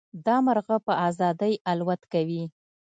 دا مرغه په ازادۍ الوت کوي.